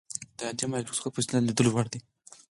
د عادي مایکروسکوپ په وسیله د لیدلو وړ دي.